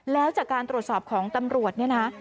แล้วจากการตรวจสอบของตำรวจเนี่ยนะ